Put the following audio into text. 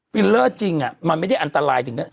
ฟิลเลอร์จริงมันไม่ได้อันตรายถึง